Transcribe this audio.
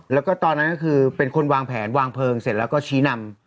แล้วก็ตอนนั้นก็คือเป็นคนวางแผนวางเพลิงเสร็จแล้วก็ชี้นำ